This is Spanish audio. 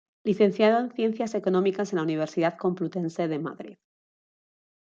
Licenciado en Ciencias Económicas en la Universidad Complutense de Madrid.